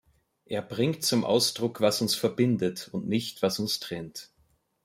Er bringt zum Ausdruck, was uns verbindet, und nicht, was uns trennt.